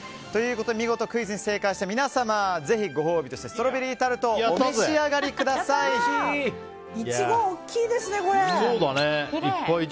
見事クイズに正解した皆様ご褒美としてストロベリータルトをイチゴ大きいですね。